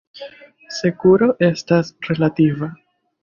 Sekuro estas relativa.